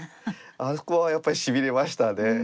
あそこはやっぱりしびれましたね。